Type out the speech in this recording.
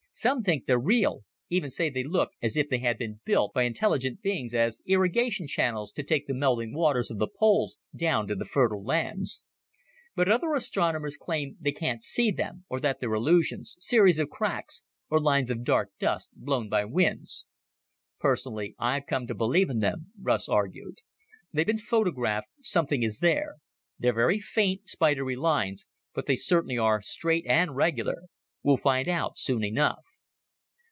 Some think they're real even say they look as if they had been built by intelligent beings as irrigation channels to take the melting waters of the poles down to the fertile lands. But other astronomers claim they can't see them or that they're illusions, series of cracks, or lines of dark dust blown by winds." "Personally, I've come to believe in them," Russ argued. "They've been photographed something is there. They're very faint, spidery lines, but they certainly are straight and regular. We'll find out soon enough."